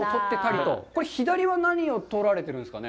左は何を取られてるんですか？